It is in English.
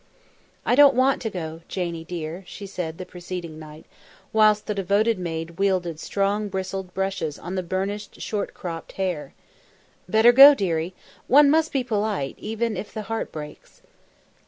"I don't want to go, Janie dear," she said, the preceding night, whilst the devoted maid wielded strong bristled brushes on the burnished short cropped hair. "Better go, dearie. One must be polite, even if the heart breaks."